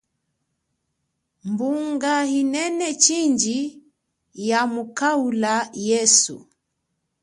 Mbunga inene chindji ya mukaula yesu.